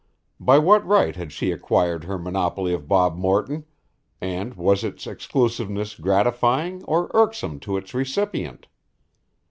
By what right had she acquired her monopoly of Bob Morton, and was its exclusiveness gratifying or irksome to its recipient?